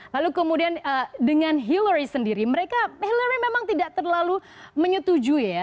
lalu kemudian dengan hillary sendiri mereka hillary memang tidak terlalu menyetujui ya